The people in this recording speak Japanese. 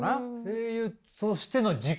声優としての軸？